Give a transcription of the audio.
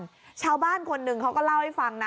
ชาวบ้านคนหนึ่งเขาก็เล่าให้ฟังนะ